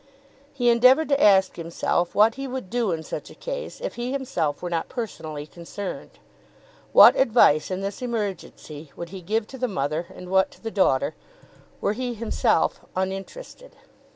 He endeavoured to ask himself what he would do in such a case if he himself were not personally concerned. What advice in this emergency would he give to the mother and what to the daughter, were he himself uninterested?